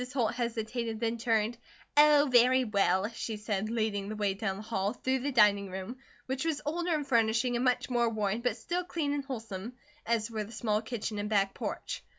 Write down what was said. Holt hesitated, then turned: "Oh, very well," she said, leading the way down the hall, through the dining room, which was older in furnishing and much more worn, but still clean and wholesome, as were the small kitchen and back porch.